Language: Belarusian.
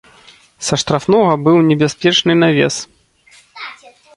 Са штрафнога быў небяспечны навес.